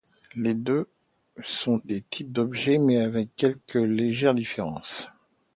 Les deux sont des types objets mais avec quelques légères différences.